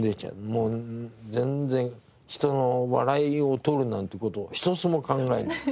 もう全然人の笑いを取るなんて事一つも考えない。